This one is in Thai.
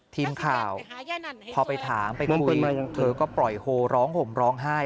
ทีมข่าวพอไปถามไปคุยเธอก็ปล่อยโฮร้องห่มร้องไห้